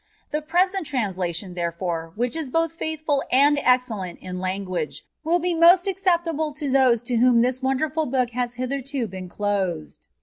The present translation, therefore, which is both faithful and excellent in language, wìU be most acceptable to those to whom this wonderful hook has hitherto been clQsed.